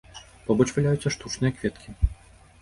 Побач валяюцца штучныя кветкі.